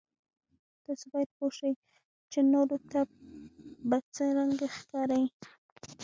تاسو باید پوه شئ چې نورو ته به څرنګه ښکارئ.